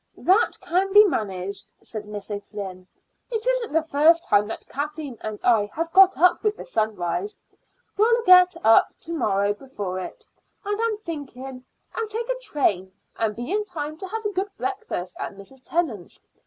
"That can be managed," said Miss O'Flynn. "It isn't the first time that Kathleen and I have got up with the sunrise. We'll get up to morrow before it, I'm thinking, and take a train, and be in time to have a good breakfast at Mrs. Tennant's.